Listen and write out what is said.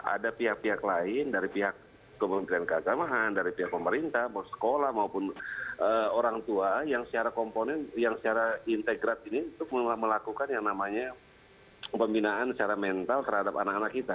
ada pihak pihak lain dari pihak kementerian keagamaan dari pihak pemerintah mau sekolah maupun orang tua yang secara komponen yang secara integrat ini untuk melakukan yang namanya pembinaan secara mental terhadap anak anak kita